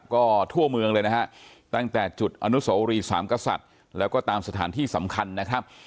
ก็ทั่วเมืองเลยนะฮะตั้งแต่จุดอนุโสรีสามกษัตริย์แล้วก็ตามสถานที่สำคัญนะครับ